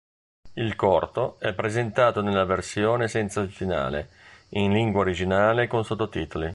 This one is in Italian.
Il corto è presentato nella versione senza il finale, in lingua originale con sottotitoli.